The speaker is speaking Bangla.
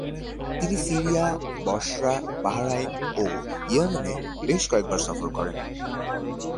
তিনি সিরিয়া, বসরা, বাহরাইন এবং ইয়েমেনে বেশ কয়েকবার সফর করেন।